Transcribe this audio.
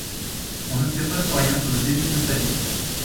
On ne sait presque rien sur le début de sa vie.